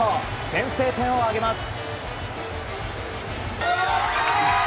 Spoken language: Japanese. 先制点を挙げます。